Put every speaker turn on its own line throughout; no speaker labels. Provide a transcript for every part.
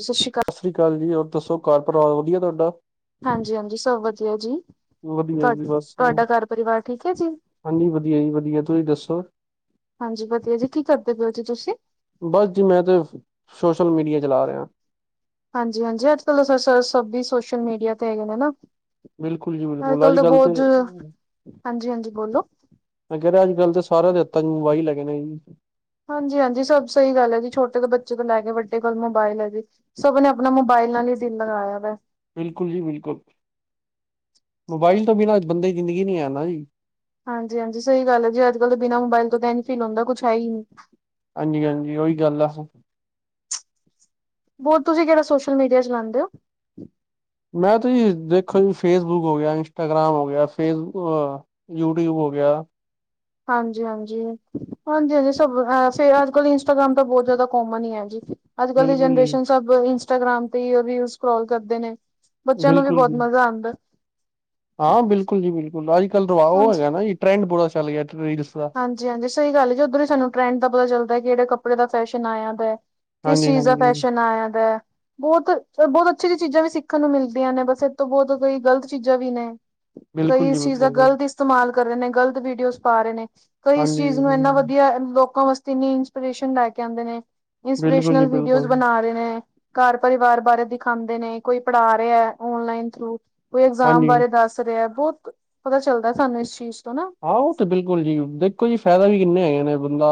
ਸਤਿ ਸ਼੍ਰੀ ਆਕਾਲ
ਸਤਿ ਸ਼੍ਰੀ ਅਕਾਲ ਜੀ ਹੋਰ ਦੱਸ ਘਰ ਪਰਿਵਾਰ ਵਧੀਆ ਤੁਹਾਡਾ
ਹਾਂਜੀ ਹਾਂਜੀ ਸਭ ਵਧੀਆ ਜੀ
ਵਧੀਆ
ਤੁਹਾ
ਜੀ ਬਸ
ਤੁਹਾਡਾ ਘਰ ਪਰਿਵਾਰ ਠੀਕ ਹੈ ਜੀ
ਹਾਂਜੀ ਵਧੀਆ ਜੀ ਵਧੀਆ ਤੁਸੀਂ ਦੱਸੋ
ਹਾਂਜੀ ਵਧੀਆ ਜੀ ਕੀ ਕਰਦੇ ਪ ਹੋ ਜੀ ਤੁਸੀਂ
ਬਸ ਜੀ ਮੈਂ ਤੇ ਸੋਸ਼ਲ ਮੀਡੀਆ ਚਲਾ ਰਿਹਾ
ਹਾਂਜੀ ਹਾਂਜੀ ਅੱਜ ਚਲ ਸਭੀ ਸੋਸ਼ਲ ਮੀਡੀਆ ਤੇ ਹੈਗੇ ਨੇ ਹਨ
ਬਿਲਕੁਲ ਜੀ ਬਿਲਕੁਲ
ਅਜਕਲ
ਅੱਜ
ਤਾਂ
ਕੱਲ ਤੇ
ਬਹੁਤ ਹਾਂਜੀ ਹਾਂਜੀ ਬੋਲੋ
ਮੈਂ ਕਿਹਾਹਾ ਅੱਜ ਕੱਲ ਤਾਂ ਸਾਰਿਆਂ ਦੇ ਹੱਥਾਂ ਮੋਬਾਈਲ ਹੀ ਲੈਗੇ ਨੇ ਜੀ
ਹਾਂਜੀ ਹਾਂਜੀ ਸਭ ਸਹੀ ਗੱਲ ਹੈ ਜੀ ਛੋਟੇ ਤੋਂ ਬੱਚੇ ਤੋਂ ਲੈ ਕੇ ਵੱਡੇ ਕੋਲ ਮੋਬਾਇਲ ਹੈ ਜੀ ਸਭਨ ਨੇ ਆਪਣਾ ਮੋਬਾਇਲ ਨਾਲ ਹੀ ਦਿਨ ਲਗਾਇਆ ਵਾ
ਬਿਲਕੁਲ ਜੀ ਬਿਲਕੁਲ ਮੋਬਾਈਲ ਤੋਂ ਬਿਨਾਂ ਬੰਦੇ ਦੀ ਜ਼ਿੰਦਗੀ ਨਹੀਂ ਆ ਨਾ ਜੀ
ਹਾਂਜੀ ਹਾਂਜੀ ਸਹੀ ਗੱਲ ਹੈ ਜ ਅੱਜ ਕੱਲ ਦੇ ਬਿਨਾਂ ਮੋਬਾਇਲ ਤੋਂ ਤਾਂ ਇਨ ਫੀਲ ਹੁੰਦਾ ਕੁੱ ਹੈ ਹੀ ਨਹੀ
ਹਾਂਜੀ ਹਾਂਜੀ ਉਓਹੀ ਗੱਲ ਆ
ਬਹੁਰ ਤੁਸੀਂ ਕਿਹੜਾ ਸੋਸ਼ਲ ਮੀਡੀਆ ਚਲਾਉਂਦੇ ਹੋ
ਮੈਂ ਤੁ ਜੀ ਦੇਖੋ ਜੀ ਫੇਸਬੁੱਕ ਹੋ ਗਿਆ ਇੰਸਟਾਗ੍ਰਾਮ ਹੋ ਗਿਆ ਫੇਸ ਯੂਟੀਿਊਬ ਹੋ ਗਿਆ
ਹਾਂਜੀ ਹਾਂਜੀ ਹਾਂਜੀ ਹਾਂਜੀ ਸਭ ਫੇ ਅੱਜ ਕਲ ਇੰਸਟਾਗ੍ਰਾਮ ਤਾਂ ਬਹੁਤ ਜ਼ਿਆਦਾ ਕੋਮਨ ਹੀ ਹੈ ਜੀ ਅੱਜ ਕਲ ਦੀ
ਬਿਲਕੁਲ ਜੀ
ਜਨਰੇਸ਼ਨ ਸਬ ਇੰਸਟਾਗ੍ਰਾਮ ਤੇ ਰ ਸਕੋਲ ਕਰਦੇ ਨੇ ਬੱਚਿਆਂ ਨੂੰ ਵੀ
ਬਿਲਕੁਲ
ਬਹੁਤ
ਜੀ
ਮਜ਼ਾ ਆਉਂਦਾ
ਹਾਂ ਬਿਲਕੁਲ ਜੀ ਬਿਲਕੁਲ ਅੱਜ ਕੱਲ ਰਵਾ ਉਹ ਹੈਗਾ
ਹਾਂਜੀ,
ਨਾ ਜੀ ਟਰੈਂਡ ਬੁਰਾ ਚੱਲ ਗਿਆ ਰਡਸ ਦਾ
ਹਾਂਜੀ ਹਾਂਜੀ ਸਹੀ ਗੱਲ ਜ ਉਧਰ ਹੀ ਸਾਨੂੰ ਟਰੈਂਡ ਦਾ ਪਤਾ ਚਲਦਾ ਕਿਹੜੇ ਕੱੜੇ ਦਾ ਫੈਸ਼ਨ ਆਇਆ ਦਾ ਹੈ ਕਿਸ ਚੀਜ਼ ਦਾ
ਹਾਂਜੀ-ਹਾਂਜੀ,
ਫੈਸ਼ਨ ਆ ਜਾਂਦਾ ਹੈ ਬਹੁਤ ਬਹੁਤ ਅੱਛੀ ਅੱ ਚੀਜ਼ਾਂ ਵੀ ਸਿੱਖਣ ਨੂੰ ਮਿਲਦੀਆਂ ਨੇ ਬਸ ਇਹਤ ਤੋਂ ਬਹੁਤ ਕੋਈ ਗ਼ਲਤ ਚੀਜ਼ਾਂ ਵੀ ਨੇ
ਬਿਲਕੁਲ
ਕਈ
ਜੀ
ਚੀਜ਼ਾਂ
ਬਿਲਕੁਲ,
ਗਲਤ ਇਸਤੇਮਾਲ ਕਰ ਰਹੇ ਨੇ ਗ਼ਲਤ ਵੀਡੀਓ ਪਾ ਰਹੇ ਨੇ ਕਈ ਇਸ
ਹਾਂਜੀ,
ਚੀਜ਼ ਨੂੰ ਇੰਨਾ
ਹੂੰ।
ਵਧੀਆ ਲੋਕਾਂ ਵਾਸਤੇ ਨੀ ਇੰਸਪੀਰੇਸ਼ਨ ਲੈਕੇ ਆਂਦੇ ਨੇ
ਬਿਲਕੁਲ ਜੀ
ਇੰਸਪੀਰੇਸ਼ਨਲ ਵੀਡੀਓ
ਬਿਲਕੁਲ।
ਬਣਾ ਰਹੇ ਨੇ ਘਰ ਪਰਿਵਾਰ ਬਾਰੇ ਦਿਖਾਉਂਦੇ ਨੇ ਕੋਈ ਪੜ੍ਹਾ ਰਿਹਾ ਓਨਲਾਈਨ ਥਰੂ ਕੋਈ ਇਗਜ਼ਾਮ
ਹਾਂਜੀ,
ਬਾਰੇ ਦੱਸ ਰਿਹਾ ਬਹੁਤ ਪਤਾ ਚੱਲਦਾ ਸਾਨੂੰ ਇਸ ਚੀਜ਼ ਤੋਂ ਨਾ
ਆਹੋ ਤੇ ਬਿਲਕੁਲ ਜੀ ਦੇਖੋ ਜੀ ਫਾਇਦਾ ਵੀ ਕਿੰਨੇ ਹੈਗੇ ਨੇ ਬੰਦਾ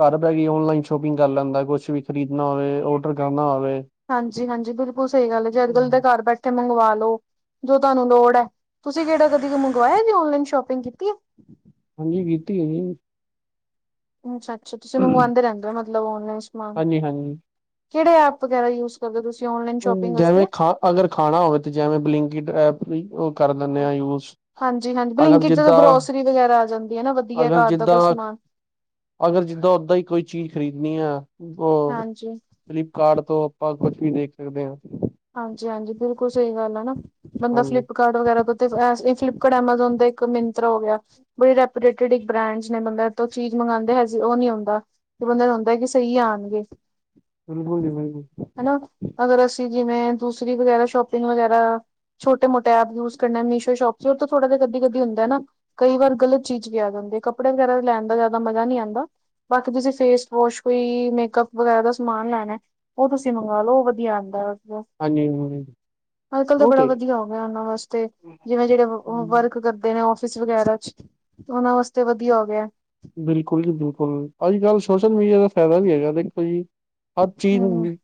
ਘਰ ਬੈ ਕੇ ਔਨਲਾਈਨ ਸ਼ੋਪਿੰਗ ਕਰ ਲੈਂਦਾ ਕੁਛ ਵੀ ਖਰੀਦਣਾ ਹੋਵੇ ਔਡਰ ਕਰਨਾ ਹੋਵੇ
ਹਾਂਜੀ ਹਾਂਜੀ ਬਿਲਕੁਲ ਸਹੀ ਗੱਲ ਹੈ ਜੇ ਅਜ ਗੱਲ ਦੇ ਘਰ ਬੈਠੇ ਤੇ ਮੰਗਵਾ ਲੋ ਜੋ ਤੁਹਾਨੂੰ ਲੋੜ ਹੈ ਤੁਸੀਂ ਕਿਹੜਾ ਕਦੀ ਮੰਗਵਾਇਆ ਜੀ ਓਨਲਾਈਨ ਸ਼ੋਪਿੰਗ ਕੀਤੀ ਹੈ
ਹਾਂਜੀ ਗੀਤੀ ਹੈ ਜੀ
ਅੱਛਾ ਅੱਛਾ ਤੁਸੀਂ
ਜੀ,
ਮੰਗਵਾਦੇ ਰਹਿੰਦੇ ਹੋ ਮਤਲਬ ਨਲਾਈਨ ਸਮਾਨ
ਹਾਂਜੀ-ਹਾਂਜੀ।
ਕਿਹੜੇ ਐਪ ਵਗੈਰਾ ਯੂ ਜਦੋਂ ਤੁਸੀ ਔਨਲਾਈਨ ਸ਼ੋਪਿੰਗ
ਜਿਵੇਂ
ਵਸਤੇ
ਖਾ ਅਗਰ ਖਾਣਾ ਹੋਵੇ ਤੇ ਜਿਵੇਂ ਬਲਿੰਕਟ ਐਪ ਵੀ ਉਹ ਕਰ ਲੈਂਦੇ ਆ ਯੂਜ
ਹਾਂਜੀ-ਹਾਂਜੀ
ਅਗਰ
ਬਲਿੰਕਿਟ ਜਦੋਂ
ਜਿੱਦਾਂ
ਗਰੋਸਰੀ ਵਗੈਰਾ ਆ ਜਾਂਦੀ ਹੈ ਨਾ ਵਧੀਆ
ਅਗਰ
ਘਰ ਦਾ ਕੋਈ
ਜਿੱਦਾਂ,
ਸਮਾਨ
ਅਗਰ ਜਿੱਦਾਂ ਓਦਾਂ ਹੀ ਕੋਈ ਚੀਜ਼ ਖਰੀਦਣੀ ਆ ਉਹ
ਹਾਂਜੀ।
ਫਲਿਪਕਾਰਟ ਤੋਂ ਆਪਾਂ ਕੁਛ ਵੀ ਦੇਖ ਸਕਦੇ ਆ।
ਹਾਂਜੀ-ਹਾਂਜੀ, ਬਿਲਕੁਲ ਸਹੀ ਗੱਲ ਹੈ ਨਾ ਬੰਦਾ
ਹਾਂਜੀ
ਫਲਿੱਪਕਾਰਡ ਟ ਵਗੈਰਾ ਤੋਂ ਫਲਿਪਕਾਰਟ, ਐਮਾਜੋਨ ਦਾ ਇੱਕ ਮਯੰਤਰਾ ਹੋ ਗਿਆ। ਬੜੀ ਰਪੋਟਡ ਬ੍ਰਾਂਡਸ ਨੇ ਬੰਦਾ ਚੀਜ਼ ਮੰਗੋਦਾ ਹ ਸੀ ਉਹ ਨਹੀਂ ਆਉਂਦਾ ਤੇ ਬੰਦੇ ਨੂੰ ਹੁੰਦਾ ਕਿ ਸਹੀ ਆਉਣਗੇ
ਬਿਲਕੁਲ ਜੀ ਬਿਲਕੁਲ
ਹਨਾ ਅਗਰ ਅਸੀਂ ਜਿਵੇਂ ਦੂਸਰੀ ਵਗੈਰਾ ਸ਼ੋਪਿੰਗ ਵਗੈਰਾ ਛੋਟੇ ਮੋਟ ਐਪੂਸ ਕਰਨਾ ਮੀਸ਼ੋ ਸ਼ੋਪ ਉਹ ਤਾਂ ਥੋੜਾਿ ਗੱਧ ਗੱਦੀ ਹੁੰਦਾ ਹੈ ਨਾ ਕਈ ਵਾਰ ਗ਼ਲਤ ਚੀਜ਼ ਵੀ ਆਦ ਜਾਂ ਹੁੰਦੀ ਹੈ ਕੱਪੜੇ ਵਗੈਰਾ ਲੈਣ ਦਾ ਜ਼ਿਆਦਾ ਮਜ਼ਾ ਨਹੀਂ ਆਂਦਾ ਬਾਕੀ ਤੁਸੀਂ ਫੇਸ ਵੋਸ਼ ਕੋਈ ਮੇਕਅਪ ਵਗੈਰਾ ਦਾ ਸਮਾਨ ਲੈਣਾ ਉਹ ਤੁਸੀਂ ਮੰਗਵਾ ਲਓ ਉਹ ਵਧੀਆ ਆਉਂਦਾ
ਹਾਂਜੀ ਹ
ਅੱਜ ਕੱਲ ਤਾਂ ਬੜਾ ਵਧੀਆ ਹੋ ਗਿਆ ਉਹਨਾਂ ਵਾਸਤੇ ਜਿਵੇਂ ਜਿਹੜੇ ਵਰਕ ਕਰਦੇ ਨੇ ਆਫਿਸ ਵਗੈਰਾ ਉਹਨਾਂ ਵਾਸਤੇ ਵਧੀਆ ਹੋ ਗਿਆ।
ਬਿਲਕੁਲ ਜੀ ਬਿਲਕੁਲ, ਅੱਜ-ਕੱਲ੍ਹ ਸੋਸ਼ਲ ਮੀਡੀਆ ਦਾ ਫਾਇਦਾ ਵੀ ਹੈਗਾ ਦੇਖੋ ਜੀ ਹਰ ਚੀਜ਼
ਹਮ
ਮਿਲ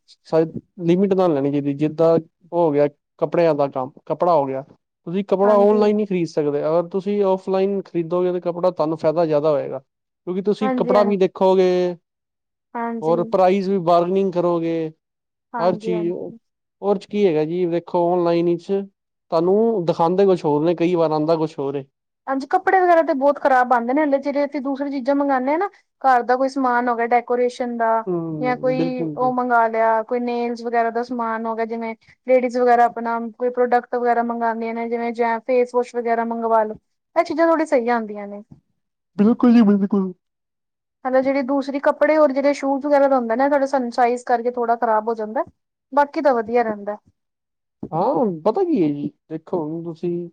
ਲਿਮਿਟ ਨਾਲ ਲੈਣੀ ਚਾਹੀਦੀ, ਜਿੱਦਾਂ ਉਹ ਹੋ ਗਿਆ ਕੱਪੜਿਆਂ ਦਾ ਕੰਮ, ਕੱਪੜਾ ਹੋ ਗਿਆ ਤੁਸੀਂ ਕੱਪੜਾ
ਹਾਂਜੀ
ਔਨਲਾਈਨ ਨਹੀਂ ਖਰੀਦ ਸਕਦੇ ਅਗਰ ਤੁਸੀਂ ਔਫਲਾਈਨ ਖਰੀਦੋਗੇ ਤਾਂ ਕਪੜਾ ਤੁਹਾਨੂੰ ਫਾਇਦਾ ਜ਼ਿਆਦਾ ਹੋਏਗਾ ਕਿਉਂਕਿ ਤੁਸੀਂ
ਹਾਂਜੀ
ਕੱਪੜਾ ਵੀ
ਹਾਂਜੀ
ਦੇਖੋਗੇ,
ਹਾਂਜੀ
ਹੋਰ ਪ੍ਰਾਈਜ਼ ਵੀ, ਬਾਰਗਨਿੰਗ ਕਰੋਗੇ ਹਰ
ਹਾਂਜੀ
ਚੀਜ਼,
ਹਾਂਜੀ
ਉਹਦੇ ਚ ਕੀ ਹੈਗਾ ਜੀ ਦੇਖੋ ਓਨਲਾਈਨ ਚ ਤੁਹਾਨੂੰ ਦਿਖਾਉਂਦੇ ਕੁਛ ਹੋਰ ਨੇ ਕਈ ਵਾਰ ਆਂਦਾ ਕੁਛ ਹੋਰ ਏ
ਹਾਂਜੀ, ਕੱਪੜ ਵਗੈਰਾ ਤੇ ਬਹੁਤ ਖਰਾਬ ਆਂਦੇ ਨੇੇ, ਜਿਡੇ ਅਸੀਂ ਦੂਸਰੀ ਚੀਜ਼ਾਂ ਮੰਗਾਣੇ ਆ ਨਾ ਘਰ ਦਾ ਕੋਈ ਸਮਾਨ ਹੋ ਗਿਆ। ਡੈਕੋਰੇਸ਼ਨ ਦਾ ਜਾਂ
ਹਮ
ਕੋਈ
ਬਿਲਕੁਲ ਜੀ
ਉਹ ਮੰਗਵਾ ਲਿਆ। ਕੋਈ ਨੇਲਜ਼ ਵਗੈਰਾ ਦਾ ਸਮਾਨ ਹੋ ਗਿਆ ਜਿਵੇਂ ਲੇਡੀਜ਼ ਵਗੈਰਾ ਆਪਣਾ ਕੋਈ ਪ੍ਰੋਡਕਟ ਵਗੈਰਾ ਮੰਗਾਦੀਆਂ ਨੇ, ਜਿਵੇ ਫੇਸ ਵੋਸ਼ ਵਗੈਰਾ ਮੰਗਵਾ ਲੋੋ ਇਹ ਚੀਜ਼ਾਂ ਥੋੜੀ ਸਹੀ ਆਂਦੀਆਂ ਨੇ
ਬਿਲਕੁਲ ਜੀ ਬਿਲਕੁਲ।
ਹੈਨਾ ਜਿਹੜੀ ਦੂਸਰੀ ਕੱਪੜੇ ਹੋਰ ਜੇੜੇ ਸ਼ੂਜ ਵਗੈਰਾ ਦਾ ਹੁੰਦਾ ਐ ਨਾ ਏਹ ਸਾਡੇ ਸਾਈਜ਼ ਕਰਕੇ ਥੋੜਾ ਖਰਾਬ ਹੋ ਜਾਂਦਾ ਐ। ਬਾਕੀ ਤਾਂ ਵਧੀਆ ਰਹਿੰਦਾ।
ਹਾ ਪਤਾ ਕੀ ਏ ਜੀ ਦੇਖੋ ਤੁਸੀਂ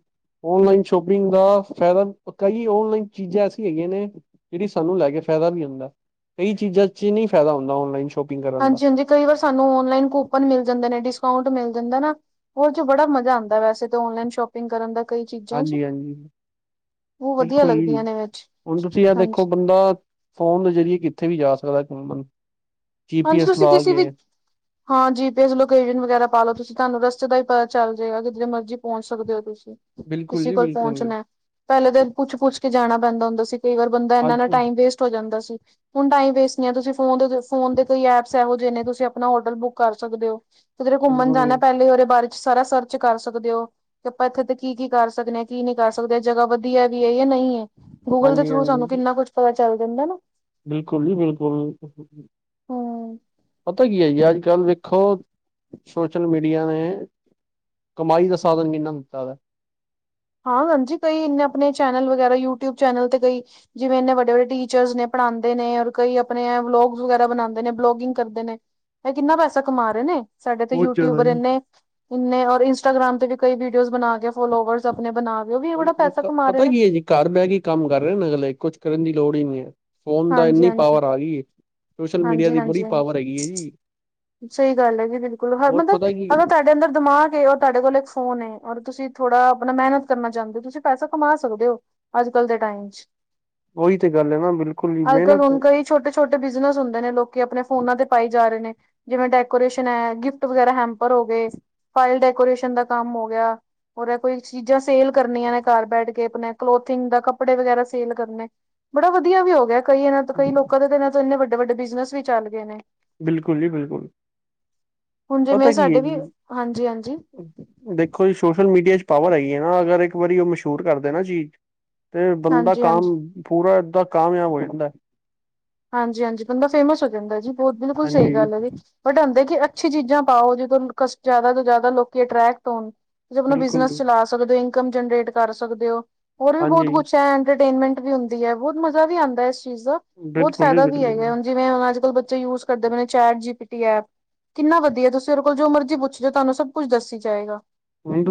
ਓਨਲਾਈਨ ਸ਼ੋਪਿੰਗ ਦਾ ਫਾਇਦਾ, ਕਈ ਓਨਲਾਈਨ ਚੀਜ਼ਾਂ ਐਸੀ ਹੈਗੀਆਂ ਨੇ ਜਿਹੜੀ ਸਾਨੂੰ ਲੈ ਕੇ ਫਾਇਦਾ ਵੀ ਹੁੰਂਦਾ, ਕਈ ਚੀਜ਼ਾਂ ਚ ਨਹੀਂ ਫਾਇਦਾ ਹੁੰਦਾ ਔਨਲਾਈਨ ਸ਼ੋਪਿੰਗ ਕਰਨ ਦਾ
ਹਾਂਜੀ-ਹਾਂਜੀ, ਕਈ ਵਾਰ ਸਾਨੂੰ ਔਨਲਾਈਨ ਕੂਪਨ ਮਿਲ ਜਾਂਦੇ ਨੇ, ਡਿਸਕਾਊਂਟ ਮਿਲ ਜਾਂਦਾ ਨਾ ਹੋਰ ਚ ਬੜਾ ਮਜ਼ਾ ਆਂਦਾ ਵੈਸੇ ਤਾਂ ਓਨਲਾਈਨ ਸ਼ੋਪਿੰਗ ਕਰਨ ਦਾ ਕਈ ਚੀਜ਼ਾਂ ਚ
ਹਾਂਜੀ ਹਾਂਜੀ
ਉਹ ਵਧੀਆ
ਬਿਲਕੁਲ,
ਲੱਗਦੀਆਂ ਨੇ ਵਿੱਚ
ਹੁਣ ਤੁਸੀਂ ਆਹ ਦੇਖੋ
ਹਾਂਜੀ,
ਬੰਦਾ ਫੋਨ ਦੇ ਜ਼ਰੀਏ ਕਿੱਥੇ ਵੀ ਜਾ ਸਕਦਾ ਬੰ
ਹਾਂਜੀ, ਤੁਸੀਂ ਕਿਸੇ ਵੀ ਹਾਂ ਜੀ ਦੇਖ ਲੋ ਲੋਕੇਨ ਵਗੈਰਾ ਪਾ ਲੋ। ਤੁਸੀਂ ਤੁਹਾਨੂੰ ਰਸਤੇ ਦਾ ਵੀ ਪਤਾ ਚੱਲ ਜਾਏਗਾ ਕਿ ਜਿੱਥੇ ਮਰਜ਼ ਪਹੁੰਚ ਸਕਦੇ ਹੋ ਤੁਸੀਂ
ਬਿਲਕੁਲ
ਕਿਸੇ
ਜੀ
ਕੋਲ
ਬਿਲਕੁਲ ਜੀ,
ਪਹੁੰਚਣਾ ਐ। ਪਹਿਲੇ ਤਾਂ ਪੁੱਛ-ਪੁੱਛ ਕੇ ਜਾਣਾ ਪੈਂਦਾ ਹੁੰਦਾ ਸੀ, ਕਈ ਵਾਰ ਬੰਦਾ
ਅੱਜ
ਇਨ੍ਹਾਂ-ਇਨ੍ਹਾਂ ਟਾਈਮ ਵੇਸਟ ਹੋ ਜਾਂਦਾ ਸੀ। ਹੁਣ ਟਾਈਮ ਵੇਸਟ ਨਹੀਂ, ਤੁਸੀਂ ਫੋਨ ਦੇ ਉਤੇ ਫੋਨ ਤੇ ਤੁਸੀਂ ਐਪਸ ਇਹੋ ਜਿਹੇ ਨੇ ਤੁਸੀਂ ਆਪਣਾ ਹੋਟਲ ਬੁੱਕ ਕਰ ਸਕਦੇ ਹੋ। ਕਿਧਰੇ ਘੁੰਮਣ
ਬਿਲਕੁਲ
ਜਾਣਾ ਏ,
ਜੀ
ਪਹਿਲਾ ਉਹਦੇ ਬਾਰੇ ਚ ਸਾਰਾ ਸਰਚ ਕਰ ਸਕਦੇ ਔ। ਕਿ ਆਪਾਂ ਇੱਥੇ ਤੇ ਕੀ- ਕੀ ਕਰ ਸਕਦੇ ਆ, ਕੀ ਨਈ ਕਰ ਸਕਦੇ, ਜਗਾ ਵਧੀਆ ਵੀ ਐ ਜਾਂ ਨਹੀਂ ਐ। ਗੂਗਲ ਦੇ
ਹਾਂਜੀ
ਥਰੂ
ਹਾਂਜੀ
ਸਾਨੂੰ ਕਿੰਨਾ ਕੁਛ ਪਤਾ ਚੱਲ ਜਾਂਦਾ ਨਾ
ਬਿਲਕੁਲ ਜੀ ਬਿਲਕੁਲ
ਹੂੰ।
ਪਤਾ ਕੀ ਹੈ ਅੱਜ ਕੱਲ ਵੇਖੋ ਸੋਸ਼ਲ ਮੀਡੀਆ ਨੇ ਕਮਾਈ ਦਾ ਸਾਧਨ ਵੀ ਏਨਾ ਨੂੰ ਦਿੱਤਾ ਦਾ ਐ।
ਹਾਂ ਹਾਂਜੀ ਕਈ ਇੰਨੇ ਆਪਣੇ ਚੈਨਲ ਵਗੈਰਾ ਯੂਟਿਊਬ ਚੈਨਲ ਤੇ ਕਈ ਜਿਵੇਂ ਇਨੇ ਵੱਡੇ-ਵਡੇ ਟੀਚਰਸ ਨੇ ਪੜਾਂਦੇ ਨੇ ਔਰ ਕਈ ਆਪਣੇ ਵਲੋਗ ਵਗੈਰਾ ਬਣਾਦੇ ਨੇ ਬਲੋਗਿੰਗ ਕਰਦੇ ਨੇ। ਇਹ ਕਿੰਨਾ ਪੈਸਾ ਕਮਾ ਰਹੇ ਨੇਂ? ਸਾਡੇ ਇਥੇ
ਬਹੁਤ ਜ਼ਿਆਦਾ
ਯੂਟਿਊਬਰ
ਜੀ।
ਇਨੇੰ, ਇੰਨੇਂ ਔਰ ਇੰਸਟਾਗ੍ਰਾਮ ਤੇ ਵੀ ਕਈ ਵੀਡੀਓਜ਼ ਬਣਾ ਕੇ ਫੋਲੋਵਰਸ ਆਪਣੇ ਬਣਾਵੇ ਉਹ ਵੀ ਇਹ
ਉਹੀ
ਬੜਾ
ਤਾਂ
ਪੈਸਾ
ਕ-
ਕਮਾ ਰਹੇ
ਪਤਾ
ਨੇਂ।
ਕੀ ਹੈ ਜੀ ਘਰ ਬਹਿ ਕੇ ਕੰਮ ਕਰ ਰਹੇ ਨੇਂ ਅਗਲੇ, ਕੁਝ ਕਰਨ ਦੀ ਲੋੜ ਹੀ ਨਹੀਂ ਏ। ਫੋਨ ਦਾ
ਹਾਂਜੀ
ਇੰਨੀ
ਹਾਂਜੀ
ਪਾਵਰ ਆ ਗਈ ਐ। ਸੋਸ਼ਲ ਮੀਡੀਆ
ਹਾਂਜੀ
ਦੀ
ਹਾਂਜੀ
ਬੜੀ
ਹਾਂਜੀ
ਪਾਵਰ ਹੈਗੀ ਐ ਜੀ।
ਸਹੀ ਗੱਲ ਐ ਜੀ ਬਿਲਕੁਲ, ਹਰ
ਹੋਰ
ਮਤਲਬ
ਪਤਾ ਕੀ
ਅਗਰ ਤੁਹਾਡੇ ਅੰਦਰ ਦਿਮਾਗ ਏ ਤੁਹਾਡੇ ਕੋਲ ਇੱਕ ਫੋਨ ਔਰ ਤੁਸੀਂ ਥੋੜਾ ਆਪਣਾ ਮਿਹਨਤ ਕਰਨਾ ਚਾਹਦੇ ਹੋ। ਤੁਸੀਂ ਪੈਸਾ ਕਮਾ ਸਕਦੇ ਹੋ। ਅੱਜ-ਕੱਲ੍ਹ ਦੇ ਟਾਈਮ ਚ
ਉਹੀ ਤੇ ਗੱਲ ਏ ਨਾ ਬਿਲਕੁਲ ਵੀ ਮਿਹਨਤ ਐ।
ਛੋਟੇ-ਛੋਟੇ ਬਿਜ਼ਨਸ ਹੁੰਦੇ ਨੇ ਲੋਕੀਂ ਆਪਣੇ ਫੋਨਾਂ ਤੇ ਪਾਈ ਜਾ ਰਹੇ ਨੇ। ਜਿਵੇਂ ਡੈਕੋਰੇਸ਼ਨ ਐ, ਗਿਫਟ ਵਗੈਰਾ ਹੈਪਰ ਹੋ ਗਏ, ਫਾਇਲ ਡੈਕੋਰੇਸ਼ਨ ਦਾ ਕੰਮ ਹੋ ਗਿਆ। ਹੋਰ ਕੋਈ ਚੀਜ਼ਾਂ ਸੇਲ ਕਰਨੀਆਂ ਨੇ ਘਰ ਬੈਠ ਕੇ, ਆਪਣੇ ਕਲੋਥਿੰਗ ਦਾ, ਕੱਪੜੇ ਵਗੈਰਾ ਸੇਲ ਕਰਨੇ ਬੜਾ ਵਧੀਆ ਵੀ ਹੋ ਗਿਆ। ਕਈ ਇਹਨਾਂ ਕਈ ਲੋਕਾਂ ਦੇ ਇਹਨਾਂ ਤੋਂ ਇੰਨੇ ਵੱਡੇ- ਵੱਡੇ ਬਿਜ਼ਨਸ ਵੀ ਚੱਲ ਗਏ ਨੇ।
ਬਿਲਕੁਲ ਜੀ ਬਿਲਕੁਲ।
ਹੁਣ ਜਿਵੇਂ
ਪਤਾ ਕੀ ਹੈ
ਸਾਡੇ ਵੀ,
ਜੀ।
ਹਾਂਜੀ ਹਾਂਜੀ।
ਦੇਖੋ ਜੀ, ਸੋਸ਼ਲ ਮੀਡੀਆ ਚ ਪਾਵਰ ਹੈਗੀ ਏ ਨਾਂ ਅਗਰ ਇੱਕ ਵਾਰੀ ਉਹ ਮਸ਼ਹੂਰ ਕਰਦੇ ਨਾਂ ਚੀਜ਼ ਤੇ ਬੰਦਾ
ਹਾਂਜੀ ਹਾਂਜੀ
ਕਾਮ, ਪੂਰਾ ਏਦਾਂ ਕਾਮਯਾਬ ਹੋ ਜਾਂਦਾ।
ਹਾਂਜੀ ਹਾਂਜੀ ਬੰਦਾ ਫੇਮਸ ਹੋ ਜਾਂਦਾ ਜੀ, ਬਹੁਤ ਬਿਲਕੁਲ ਸਹੀ
ਹਾਂਜੀ
ਗੱਲ ਐ ਜੀ। ਵਢਾਉਂਦੇ ਕਿ ਅੱਛੀ ਚੀਜ਼ਾਂ ਪਾਓ, ਜਦੋਂ ਜ਼ਿਆਦਾ ਤੋਂ ਜ਼ਿਆਦਾ ਲੋਕੀ ਅਟਰ੍ਰੈਕਟ ਹੋਣ। ਤੁਸੀਂ ਆਪਣਾ
ਬਿਲਕੁਲ
ਬਿਜਨਸ
ਜੀ।
ਚਲਾ ਸਕਦੇ ਹੋ ਇਨਕਮ ਜਨਰੇਟ ਕਰ ਸਕਦੇਔ। ਹੋਰ ਵੀ ਬਹੁਤ
ਹਾਂਜੀ
ਕੁੱਛ ਐ ਇੰਟਰਟੇਨਮੈਂਟ ਵੀ ਹੁੰਦੀ ਐ। ਬਹੁਤ ਮਜ਼ਾ ਵੀ ਆਂਦਾ ਇਸ ਚੀਜ਼ ਦਾ, ਬਹੁਤ
ਬਿਲਕੁਲ ਜੀ
ਫਾਇਦਾ ਵੀ
ਬਿਲਕੁਲ
ਹੈਗਾ ਜਿਵੇਂ ਹੁਣ ਅੱਜ-ਕੱਲ ਬੱਚੇ ਯੂਜ ਕਰਦੇ ਪਏ ਨੇ chat G P T app ਕਿੰਨਾ ਵਧੀਆ ਤੁਸੀਂ ਉਹਦੇ ਕੋਲ ਜੋ ਮਰਜ਼ੀ ਪੁੱਛਿਓ ਤੁਹਾਨੂੰ ਸਭ ਕੁੱਛ ਦੱਸੀ ਜਾਏਗਾ।
[unintelligible] ਹੁਣ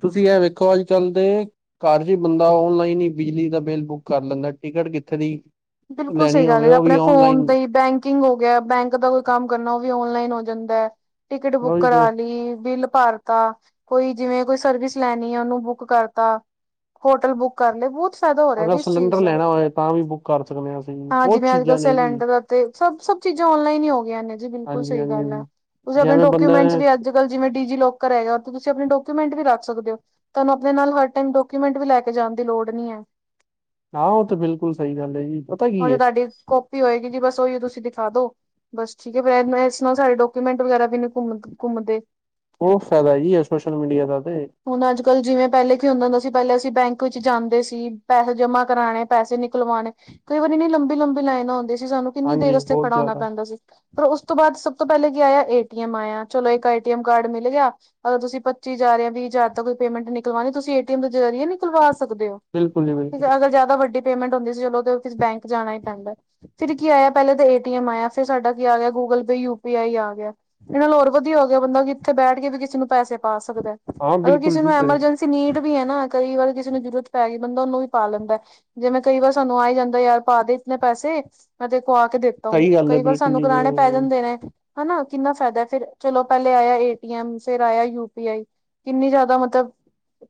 ਤੁਸੀਂ ਇਹ ਵੇਖੋ ਅੱਜ ਕੱਲ ਦੇ ਘਰ ਜੇ ਬੰਦਾ ਔਨਲਾਈਨ ਹੀ ਬਿਜਲੀ ਦਾ ਬਿੱਲ ਬੁੱਕ ਕਰ ਲੈਂਦਾ ਟਿਕਟ ਕਿੱਥੇ ਦੀ
ਬਿਲਕੁਲ ਸਹੀ
ਲੈਣੀ
ਗੱਲ
ਹੋਵੇ
ਐ,
ਉਹ
ਆਪਣੇ
ਵੀ
ਫੋਨ
ਔਨਲਾਈਨ
ਤੇ ਈ ਬੈਂਕ ਕਿੰਗ ਹੋ ਗਿਆ, ਬੈਂਕ ਦਾ ਕੋਈ ਕੰਮ ਕਰਨਾ ਉਹ ਵੀ ਔਨਲਾਈਨ ਹੋ ਜਾਂਦਾ। ਟਿਕਟ ਬੁੱਕ ਕਰਾ ਲਈ ਬਿੱਲ ਭਰ ਤਾ ਕੋਈ ਜਿਵੇਂ ਕੋਈ ਸਰਵਿਸ ਲੈਣੀ ਏ ਉਹਨੂੰ ਬੁੱਕ ਕਰਤਾ, ਹੋਟਲ ਬੁੱਕ ਕਰਲੇ। ਬਹੁਤ ਸ
ਅਗਰ ਸਿਲੰਡਰ ਲੈਣਾ ਹੋਵੇ ਤਾਂ ਵੀ ਬੁੱਕ ਕਰ ਸਕਣੇ ਆਂ ਅਸੀਂ
ਹਾਂ
ਬਹੁਤ
ਜਿਵੇਂ ਅੱਜ-ਕੱਲ
ਚੀਜ਼ਾਂ ਨੇ ਜੀ
ਸਿਲੰਡਰ ਅਤੇ ਸਭ ਸਬ ਚੀਜ਼ਾਂ ਔਨਲਾਈਨ ਹੀ ਹੋ ਗਈਆਂ ਨੇਂ, ਜੀ ਬਿਲਕੁਲ
ਹਾਂਜੀ
ਸਹੀ
ਹਾਂਜੀ
ਗੱਲ ਐ। ਤੁਸੀਂ ਆਪਣੇ
ਜਿਵੇਂ ਬੰਦੇ
ਡਾਕੂਮੈਂਟਸ
ਨੇ
ਅੱਜ-ਕਲ ਜਿਵੇਂ ਡਿਜੀਲੋਕਰ ਹੈਗਾ, ਤੁਸੀਂ ਆਪਣੇ ਡਾਕੂਮੈਂਟ ਵੀ ਰੱਖ ਸਕਦੇ ਔ। ਤੁਹਾਨੂੰ ਆਪਣੇ ਨਾਲ ਹਰ ਟਾਈਮ ਡਾਕੂਮੈਂਟ ਵੀ ਲੈਕੇ ਜਾਣ ਦੀ ਲੋੜ ਨਹੀਂ ਐ।
ਆਂ ਉਹ ਤੇ ਬਿਲਕੁਲ ਸਹੀ ਗੱਲ ਐ ਜੀ। ਪਤਾ ਕੀ
ਹੁਣ ਜੇ
ਹੈ
ਤੁਹਾਡੀ ਕਾਪੀ ਹੋਏਗੀ ਜੀ ਬਸ ਉਹੀਓ ਤੁਸੀਂ ਦਿਖਾ ਦੋ। ਬਸ ਠੀਕ ਐ, ਫਿਰ ਇਸ ਨਾਲ ਸਾਰੇ ਡਾਕੂਮੈਂਟ ਵਗੈਰਾ ਵੀ ਨੇ ਘੁਮ ਘੁੰਮਦੇ।
ਖੂਬ ਫਾਇਦਾ ਜੀ ਸੋਸ਼ਲ ਮੀਡੀਆ ਦਾ ਤੇ
ਹੁਣ ਅੱਜ-ਕੱਲ ਜਿਵੇਂ ਪਹਿਲੇ ਕੀ ਹੁੰਦਾ ਹੁੰਦਾ ਸੀ ਪਹਿਲੇ ਅਸੀਂ ਬੈਂਕ ਵਿੱਚ ਜਾਂਦੇ ਸੀ। ਪੈਸੇ ਜਮਾ ਕਰਾਣੇ। ਪੈਸੇ ਨਿਕਲਵਾਣੇ ਕਈ ਵਾਰੀ ਇੰਨੀ ਲੰਬੀ-ਲੰਬੀ ਲਾਈਨਾਂ ਹੁੰਦੀਆਂ ਸੀ, ਸਾਨੂੰ ਕਿੰਨੀ ਦੇਰ
ਹਾਂਜੀ
ਅਸਤੇ
ਬਹੁਤ
ਖੜਾ ਹੋਣਾ
ਜ਼ਿਆਦਾ
ਪੈਂਦਾ ਸੀ। ਪਰ ਉਸ ਤੋਂ ਬਾਅਦ ਸਭ ਤੋਂ ਪਹਿਲਾਂ ਕੀ ਆਇਆ? ਏ ਟੀਐਮ ਆਇਆ, ਚਲੋ ਇੱਕ ਏ ਟੀਐਮ ਕਾਰਡ ਮਿਲ ਗਿਆ। ਅਗਰ ਤੁਸੀਂ ਪੱਚੀ ਹਜ਼ਾਰ ਜਾਂ ਵੀਹ ਹਜ਼ਾਰ ਤੋਂ ਕੋਈ ਪੇਮੈਂਟ ਨਿਕਲਵਾਣੀ, ਤੁਸੀਂ ਏਟੀਐਮ ਦੇ ਜ਼ਰੀਏ ਨਿਕਲਵਾ ਸਕਦੇ ਔ।
ਬਿਲਕੁਲ ਜੀ ਬਿਲਕੁਲ
ਜ਼ਿਆਦਾ ਜਿਆਦਾ ਵੱਡੀ ਪੇਮੈਂਟ ਹੁੰਦੀ ਸੀ, ਚਲੋ ਬੈਂਕ ਜਾਣਾ ਹੀ ਪੈਂਦਾ ਐ। ਫਿਰ ਕੀ ਆਇਆ ਪਹਿਲਾਂ ਤਾਂ ਏਟੀਐਮ ਆਇਆ, ਫਿਰ ਸਾਡਾ ਕੀ ਆ ਗਿਆ Google Pay, U P I ਆ ਗਿਆ। ਇਹਨਾਂ ਨਾਲ ਹੋਰ ਵਧੀਆ ਹੋ ਗਿਆ ਬੰਦਾ ਕਿੱਥੇ ਬੈਠ ਕੇ ਵੀ ਕਿਸੇ ਨੂੰ ਪੈਸੇ ਪਾ ਸਕਦਾ,
ਹਾਂ
ਅਗਰ
ਬਿਲਕੁਲ
ਕਿਸੇ ਨੂੰ
ਜੀ ਸਹੀ
ਐਮਰਜੈਂਸੀ ਨੀਡ ਵੀ ਐ ਨਾਂ ਕਈ ਵਾਰ ਕਿਸੇ ਨੂੰ ਜਰੂਰਤ ਪੈ ਗਈ ਬੰਦਾ ਉਹਨੂੰ ਵੀ ਪਾ ਲੈਂਦਾ, ਜਿਵੇਂ ਕਈ ਵਾਰ ਸਾਨੂੰ ਆ ਜਾਂਦਾ ਯਾਰ ਪਾ ਦੇ ਇਤਨੇਂ ਪੈਸੇ ਮੈਂ ਤੇਰੇ ਕੋ ਆਕੇ ਦੇਤਾ ਹੂੰ,
ਸਹੀ ਗੱਲ ਹੈ
ਕਈ ਵਾਰ
ਬਿਲਕੁਲ
ਸਾਨੂੰ
ਜੀ
ਕਰਾਣੇ ਪੈ
ਬਿਲਕੁਲ
ਜਾਂਦੇ ਨੇਂ ਤੇ ਹਨਾਂ ਕਿੰਨਾ ਫਾਇਦਾ ਫਿਰ ਚਲੋ, ਪਹਿਲੇ ਆਇਆ ਏਟੀਐਮ, ਫਿਰ ਆਇਆ ਯੂ ਪੀ ਆਈ। ਕਿੰਨੀ ਜ਼ਿਆਦਾ ਮਤਲਬ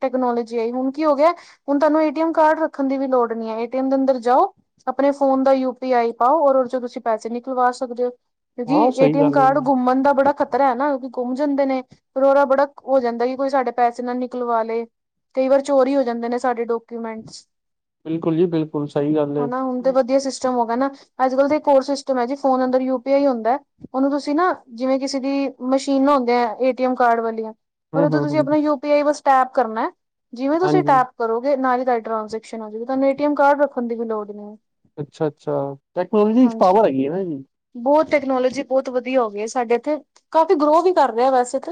ਟੈਕਨੋਲੋਜੀ ਆਈ ਹੁਣ ਕੀ ਹੋ ਗਿਆ, ਹੁਣ ਤੁਹਾਨੂੰ ਏ ਟੀ ਐਮ ਕਾਰਡ ਰੱਖਣ ਦੀ ਵੀ ਲੋੜ ਨੀਂ ਐ, ਏਟੀਐਮ ਦੇ ਅੰਦਰ ਜਾਓ। ਆਪਣੇ ਫੋਨ ਦਾ ਯੂਪੀ ਆਈ ਪਾਓ, ਔਰ ਤੁਸੀਂ ਪੈਸੇ ਨਿਕਲਵਾ ਸਕਦੇ ਔ। ਜੀ
ਹਾਂ
ਏ
ਸਹੀ
ਟੀਐਮ
ਗੱਲ ਹੈ
ਕਾਰਡ
ਜੀ
ਘੁੰਮਣ ਦਾ ਬੜਾ ਖਤ ਹੈ ਨਾ ਕਿ ਘੁੰਮ ਜਾਂਦੇ ਨੇ। ਫਿਰ ਉਹਦਾ ਬੜਾ ਹੋ ਜਾਂਦਾ ਕਿ ਕੋਈ ਸਾਡੇ ਪੈਸੇ ਨਾ ਨਿਕਲਵਾ ਲਏ। ਕਈ ਵਾਰ ਚੋਰੀ ਹੋ ਜਾਂਦੇ ਨੇ ਸਾਡੇ ਡਾਕੂਮੈਂਟਸ।
ਬਿਲਕੁਲ ਜੀ ਬਿਲਕੁਲ। ਬੁਲ ਸਹੀ ਗੱਲ ਹੈ
ਹਨਾ ਹੁਣ ਤੇ ਵਧੀਆ ਸਿਸਟਮ ਹੋ ਗਿਆ ਨਾਂ, ਅੱਜ-ਕਲ ਤਾਂ ਇੱਕ ਹੋਰ ਸਿਸਟਮ ਹੈ ਜੀ, ਫੋਨ ਅੰਦਰ ਯੂ ਪੀ ਆਈ ਹੁੰਦਾ। ਉਹਨੂੰ ਤੁਸੀਂ ਨਾਂ ਜਿਵੇਂ ਕਿਸੇ ਦੀ ਮਸ਼ੀਨਾਉਂਦੇ ਆ ਏਟੀਐਮ ਕਾਰਡ ਵਾਲੀਆਂ ਰ
ਹਮ
ਉਦੋਂ
ਹਮ
ਤੁਸੀਂ
ਹਮ
ਆਪਣਾ ਯੂ ਪੀ ਆਈ ਬਸ ਟੈਪ ਕਰਨਾ, ਜਿਵੇਂ ਤੁਸੀਂ
ਹਾਂਜੀ
ਟੈਪ ਕਰੋਗੇ ਨਾਲ ਤੁਹਾਡੀ ਟਰਾਂਜੈਕਸ਼ਨ ਹੋ ਜੂਗੀ ਤੁਹਾਂਨੂੰ ਏਟੀਐਮ ਕਾਰਡ ਰੱਖਣ ਦੀ ਵੀ ਲੋੜ ਨੀਂ
ਅੱਛਾ ਅੱਛਾ, ਟੈਕਨੋਲੋਜੀ ਵਿੱਚ ਪਾਵਰ ਹੈਗੀ ਐ ਨਾਂ ਜੀ।
ਬਹੁਤ ਟੈਕਨੋਲੋਜੀ ਬਹੁਤ ਵਧੀਆ ਹੋ ਗਈ ਐ, ਸਾਡੇ ਇੱਥੇ ਕਾਫੀ ਗਰੋ ਵੀ ਕਰ ਰਿਆ ਵੈਸ ਇਥੇ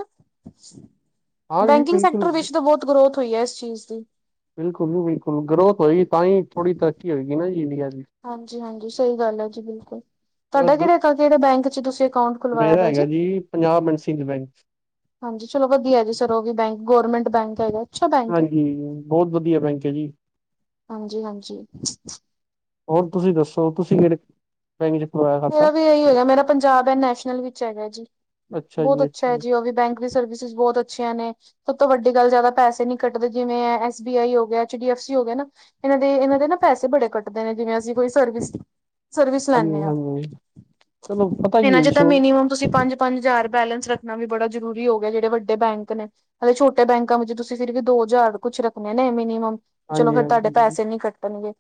ਹਾਂ ਜੀ
ਬੈਂਕਿੰਗ
ਬਿਲਕੁਲ
ਸੈਕਟਰ
ਬਿਲਕੁਲ
ਵਿੱਚ ਤਾਂ ਬਹੁਤ ਗਰੋਥ ਹੋਈ ਐ ਇਸ ਚੀਜ਼ ਦੀ।
ਬਿਲਕੁਲ ਜੀ ਬਿਲਕੁਲ, ਗਰੋਥ ਹੋਏਗੀ ਤਾਂ ਹੀ ਥੋੜੀ ਤਰੱਕੀ ਹੋਗੀ ਨਾਂ ਜੀ ਇੰਡੀਆ ਦੀ।
ਹਾਂਜੀ- ਹਾਂਜੀ ਸਹੀ ਗੱਲ ਹੈ ਜੀ ਬਿਲਕੁਲ, ਤੁਹਾਡਾ
ਅਗਰ
ਕਿਹੜੇ -ਕਿਹੜੇ ਬੈਂਕ ਚ' ਤੁਸੀਂ ਅਕਾਊਂਟ ਖੁਲਵਾਇਆ
ਮੇਰਾ
ਦਾ
ਹੈਗਾ ਜੀ। Punjab L bank.
ਹਾਂਜੀ, ਚਲੋ ਵਧੀਆ ਜੀ, ਸਰ ਉਹ ਵੀ ਬੈਂਕ ਗੌਰਰਮੈਂਟ ਬੈਂਕ ਹੈਗਾ। ਅੱਛਾ ਬੈਂਕ।
ਹਾਂਜੀ ਬਹੁਤ ਵਧੀਆ ਬੈਂਕ ਹੈ ਜੀ।
ਹਾਂਜੀ -ਹਾਂਜੀ।
ਹੋਰ ਤੁਸੀਂ ਦੱਸੋ ਤੁਸੀਂ ਕਿਹੜੇ ਬੈਕ ਚ' ਪਵਾਇਆ।
ਮੇਰਾ ਵੀ ਇਹੀ ਹੈਗਾ। ਮੇਰਾ ਪੰਜਾਬ ਹੈ ਨੈਸ਼ਨਲ ਵਿੱਚ ਹੈਗਾ ਜੀ। ਬਹੁਤ ਅੱਛਾ ਹੈ ਜੀ, ਉਹ ਵੀ ਬੈਂਕ ਵੀ ਸਰਵਿਸਿਸ ਬਹੁਤ ਅੱਛੀਆਂ ਨੇ। ਸਭ ਤੋਂ ਵੱਡੀ ਗੱਲ ਜ਼ਿਆਦਾ ਪੈਸੇ ਨੀ ਕੱਦੇ ਜਿਵੇਂ ਐਸ ਬੀ ਆਈ ਹੋ ਗਿਆ, ਐਚ ਡੀ ਐਫ ਸੀ ਹੋ ਗਿਆ ਨਾ। ਇਹਨਾਂ ਦੇ ਇਹਨਾਂ ਦੇ ਨਾ ਪੈਸੇ ਬੜੇ ਕੱਟਦੇ ਨੇ। ਜਿਵੇਂ ਅਸੀਂ ਕੋਈ ਸਰਵਿਸ ਸਰਵਿਸ
ਹਾਂਜੀ-
ਲੈਂਦੇ ਹਾਂ
ਹਾਂਜੀ ਚਲੋ। ਪਤਾ ਕੀ
ਇਹਨਾਂ
ਹੈ
ਚ'
ਜੀ
ਤਾਂ
ਸ਼ੋ
ਮਿਨੀਮਮ ਤੁਸੀਂ ਪੰਜ- ਪੰਜ ਹਜ਼ਾਰ ਬੈਲੈਂਸ ਰੱਖਣਾ ਵੀ ਬੜਾ ਜ਼ਰੂਰੀ ਹੋ ਗਿਆ ਜਿਹੜੇ ਵੱਡੇ ਬੈਂਕ ਨੇ। ਅਤੇ ਛੋਟੇ ਬੈਂਕਾਂ ਵਿੱਚ ਤੁਸੀਂ ਫਿਰ ਵੀ ਦੋ ਹਜ਼ਾਰ ਕੁਛ ਰੱਖਣੇ ਨੇ ਮਿਨੀਮਮ। ਚਲੋ, ਫੇਰ ਤੁਹਾਡੇ
ਹਾਂਜੀ-ਹਾਂਜੀ
ਪੈਸੇ ਨੀ ਕੱਟਣਗੇ।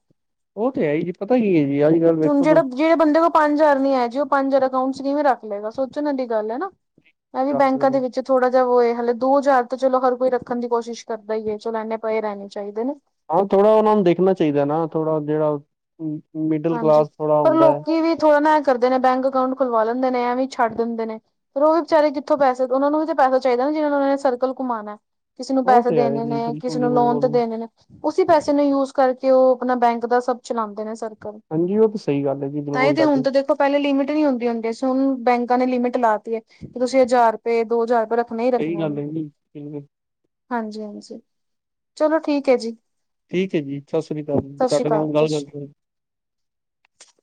ਉਹ ਤੇ ਹੈ ਹੀ ਜੀ ਪਤਾ ਕੀ ਹੈ ਜੀ ਅੱਜ ਕੱਲ
ਤੇ ਹੁਣ
ਵੇਖੋ
ਜਿਹੜਾ
ਤੁਸੀਂ
ਜਿਹੜੇ ਬੰਦੇ ਕੋਲ ਪੰਜ ਹਜਾਰ ਨੀ ਆ ਜੀ ਉਹ ਪੰਜ ਹਜ਼ਾਰ ਅਕਾਊਂਟ ਚ' ਕਿਵੇਂ ਰੱਖ ਲਏਗਾ ਸੋਚਣ ਦੀ ਗੱਲ ਹੈ ਨਾ। ਇਹ ਵੀ
ਕੀ ਕਰ
ਬੈਂਕਾਂ
ਸਕਦਾ।
ਦੇ ਵਿੱਚ। ਥੋੜਾ ਜਿਹਾ ਵਏ ਹਾਲੇ ਦੋ ਹਜ਼ਾਰ ਤੇ ਚਲੋ, ਹਰ ਕੋਈ ਰੱਖਣ ਦੀ ਕੋਸ਼ਿਸ਼ ਕਰਦਾ ਹੀ ਹੈ। ਚਲੋ, ਇੰਨੇ ਪਏ ਰਹਿਣੇ ਚਾਹੀਦੇ ਨੇ।
ਹਾਂ, ਥੋੜਾ ਉਹਨਾ ਨੂੰ ਦੇਖਣਾ ਚਾਹੀਦਾ ਨਾ। ਥੋੜਾ ਜਿਹੜਾ ਹਮ ਬ
ਹਾਂਜੀ। ਪਰ ਲੋਕੀ ਵੀ ਥੋੜਾ ਨਾ ਇਹ ਕਰਦੇ ਨੇ ਬੈਂਕ ਅਕਾਊਂਟ ਖੁਲਵਾ ਲੈਂਦੇ ਨੇ। ਇਹ ਵੀ ਛੱਡ ਦਿੰਦੇ ਨੇ। ਫਿਰ ਉਹ ਵੀ ਵਿਚਾਰੇ ਜਿੱਥੋਂ ਪੈਸੇ ਉਹਨਾਂ ਨੂੰ ਵੀ ਤਾਂ ਪੈਸਾ ਚਾਹੀਦਾ ਜਿਹਨਾਂ ਨੂੰ ਉਹਨਾਂ ਨੇ ਸਰਲ ਘੁੰਮਾਣਾ। ਕਿਸੇ ਨੂੰ
ਉਹ
ਪੈਸੇ
ਤੇ ਹੈ
ਦੇਣੇ
ਜੀ
ਨੇ,
ਬਿਲਕੁਲ
ਕਿਸੇ
ਜੀ
ਨੂੰ ਲੋਨ ਤੇ
ਬਿਲਕੁਲ
ਦੇਣੇ ਨੇ। ਉਸਸੀ ਪੈਸੇ ਨੂੰ ਯੂਜ ਕਰਕੇ ਉਹ, ਆਪਣਾ ਬੈਂਕ ਦਾ ਸਭ ਚਲਾਉਂਦੇ ਨੇ ਸਰ।
ਹਾਂਜੀ। ਉਹ ਤਾਂ ਸਹੀ ਗੱਲ ਹੈ ਜੀ ਬਿਲਕੁਲ ਦਾਦੀ।
ਤਾਂ ਦੇਖੋ ਪਹਿਲੇ ਲਿਮਿਟ ਨਹੀਂ ਹੁੰਦੀ -ਹੰਦੀ ਸੀ। ਹੁਣ ਬੈਂਕਾਂ ਨੇ ਲਿਮਿਟ ਲਾਤੀ। ਕਿ ਤੁਸੀਂ ਹਜ਼ਾਰ ਰੁਪਏ, ਦੋ ਹਜ਼ਾਰੁਪਏ ਰ ਨਹੀਂ
ਸਹੀ
ਰੱਖਣੇ।
ਗੱਲ
ਹਾਂਜੀ-
ਹੈ ਜੀ ਬਿਲਕੁਲ
ਹਾਂਜੀ ਚਲੋ ਠੀਕ ਹੈ ਜੀ।
ਠੀਕ ਹੈ ਜੀ, ਸਤਿ ਸ੍ਰੀ ਅਕਾਲ ਜੀ।
ਸਤਿ ਸ਼੍ਰੀ
ਤੁਹਾਡੇ
ਅਕਾਲ
ਨਾਲ
ਸਤਿ
ਗੱਲ
ਸ਼੍ਰੀ
ਗੱਲ